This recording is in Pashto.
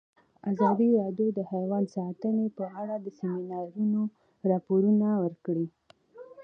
ازادي راډیو د حیوان ساتنه په اړه د سیمینارونو راپورونه ورکړي.